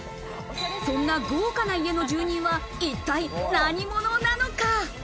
そんな豪華な家の住人は一体何者なのか。